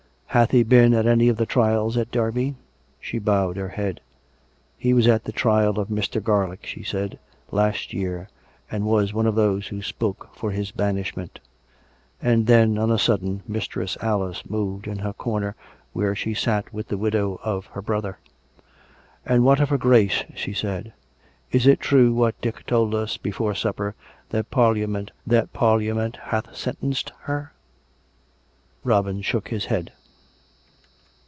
" Hath he been at any of the trials at Derby .^" She bowed her head. " He was at the trial of Mr. Garlick," she said ;" last year ; and was one of those who spoke for his banishment." And then, on a sudden. Mistress Alice moved in her cor ner, where she sat with the widow of her brother. " And what of her Grace? " she said. " Is it true what Dick told us before supper, that Parliament hath sentenced her?" Robin shook his head.